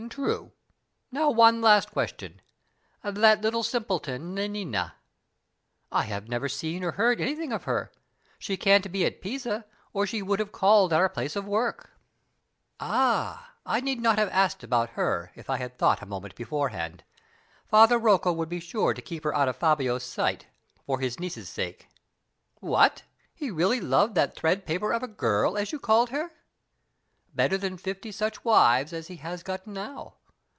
"True. Now one last question. That little simpleton, Nanina?" "I have never seen or heard anything of her. She can't be at Pisa, or she would have called at our place for work." "Ah! I need not have asked about her if I had thought a moment beforehand. Father Rocco would be sure to keep her out of Fabio's sight, for his niece's sake." "What, he really loved that 'thread paper of a girl' as you called her?" "Better than fifty such wives as he has got now!